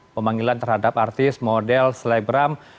pemanggilan terhadap artis model selebgram